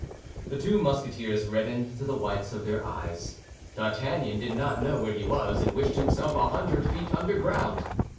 The two Musketeers reddened to the whites of their eyes. D'Artagnan did not know where he was, and wished himself a hundred feet underground.